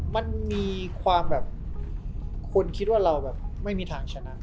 มันมีความแบบคนคิดว่าเราแบบไม่มีทางชนะ